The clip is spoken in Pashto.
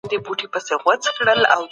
ځان وپیژنه چي نورو خلګو ته زیان ونه رسوې.